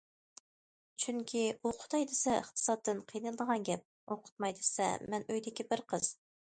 چۈنكى ئوقۇتاي دېسە ئىقتىسادتىن قىينىلىدىغان گەپ، ئوقۇتماي دېسە مەن ئۆيدىكى بىر قىز.